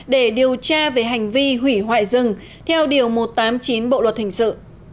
để điều tra về hành vi hủy hoại rừng theo điều một trăm tám mươi chín bộ luật hình sự